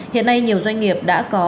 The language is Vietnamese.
hiện nay nhiều doanh nghiệp đã có